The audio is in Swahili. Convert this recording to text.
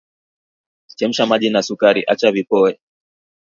Chemsha maji na sukari acha vipoe